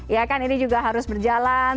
ya kan ini juga harus berjalan